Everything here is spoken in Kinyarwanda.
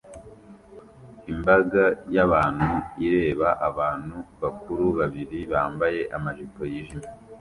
Imbaga y'abantu ireba abantu bakuru babiri bambaye amajipo yijimye